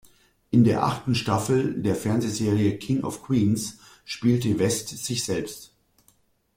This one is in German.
In der achten Staffel der Fernsehserie "King of Queens" spielte West sich selbst.